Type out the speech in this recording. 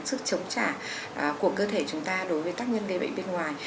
là cái sức đề kháng sức chống trả của cơ thể chúng ta đối với các nhân gây bệnh bên ngoài